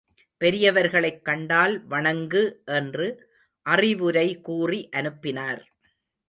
பெரியவர்களைக் கண்டால் வணங்கு என்று அறிவுரை கூறி அனுப்பினார்.